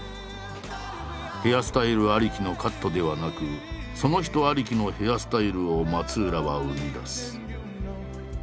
ヘアスタイルありきのカットではなくその人ありきのヘアスタイルを松浦は生み出す。